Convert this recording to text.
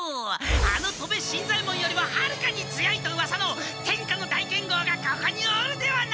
あの戸部新左ヱ門よりははるかに強いとうわさの天下の大剣豪がここにおるではないか！